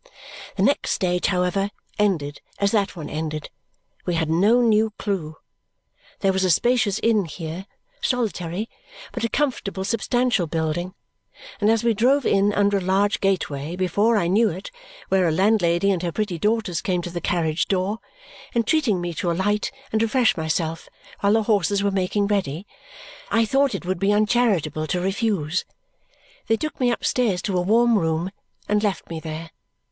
The next stage, however, ended as that one ended; we had no new clue. There was a spacious inn here, solitary, but a comfortable substantial building, and as we drove in under a large gateway before I knew it, where a landlady and her pretty daughters came to the carriage door, entreating me to alight and refresh myself while the horses were making ready, I thought it would be uncharitable to refuse. They took me upstairs to a warm room and left me there.